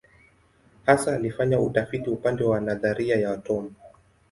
Hasa alifanya utafiti upande wa nadharia ya atomu.